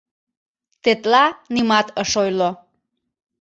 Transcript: Тетла нимат ыш ойло.